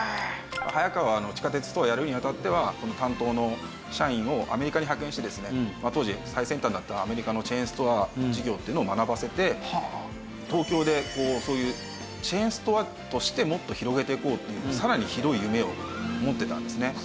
早川の地下鉄ストアをやるにあたっては担当の社員をアメリカに派遣してですね当時最先端だったアメリカのチェーンストア事業というのを学ばせて東京でそういうチェーンストアとしてもっと広げていこうというさらに広い夢を持ってたんですね。